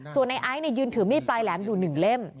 ส่วนนายไอซ์เนี่ยยืนถือมีดปลายแหลมอยู่หนึ่งเล่ม